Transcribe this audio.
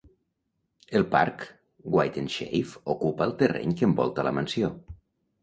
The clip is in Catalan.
El parc Wythenshawe ocupa el terreny que envolta la mansió.